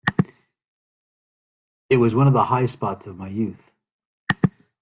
It was one of the high spots of my youth.